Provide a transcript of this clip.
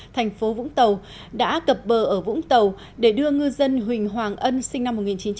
thành phố vũng tàu đã cập bờ ở vũng tàu để đưa ngư dân huỳnh hoàng ân sinh năm một nghìn chín trăm tám mươi